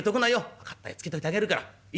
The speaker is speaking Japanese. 「分かったつけといてあげるから行っといで！」。